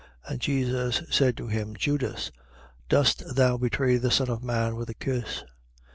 22:48. And Jesus said to him: Judas, dost thou betray the Son of man with a kiss?